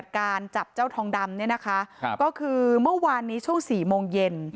การจับเจ้าทองดำเนี่ยนะคะก็คือเมื่อวานนี้ช่วง๔โมงเย็น